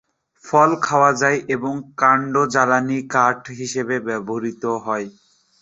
ফল খাওয়া যায় এবং কান্ড জ্বালানিকাঠ হিসেবে ব্যবহৃত হয়।